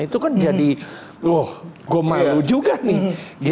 itu kan jadi wah gue malu juga nih